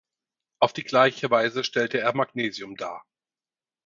Auf die gleiche Weise stellte er Magnesium dar.